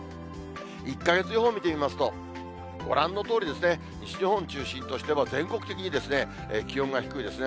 １か月予報見てみますと、ご覧のとおり、西日本中心として、全国的に気温が低いですね。